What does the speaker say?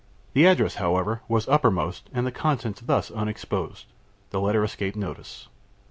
The address, however, was uppermost, and, the contents thus unexposed, the letter escaped notice.